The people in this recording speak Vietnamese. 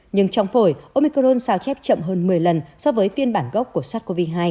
nhưng trong phổi omicron sao chép chậm hơn một mươi lần so với phiên bản gốc của sars cov hai